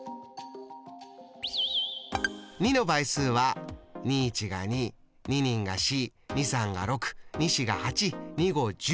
２の倍数は２１が２２２が４２３が６２４が８２５１０。